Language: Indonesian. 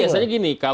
karena biasanya gini